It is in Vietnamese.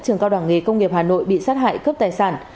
trường cao đẳng nghề công nghiệp hà nội bị sát hại cướp tài sản